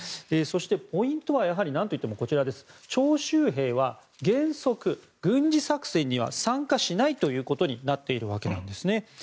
そして、ポイントはなんといってもこちら徴集兵は原則、軍事作戦には参加しないということになっているわけなんですね。